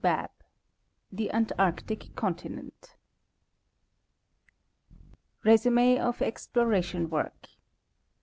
BABB THE ANTARCTIC CONTINENT®* Résumé of Exploration Work.